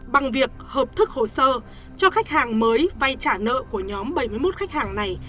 bằng việc hợp thức hồ sơ cho khách hàng mới vay trả nợ của nhóm bảy mươi một khách hàng này